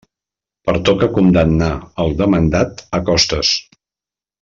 Pertoca condemnar el demandat a costes.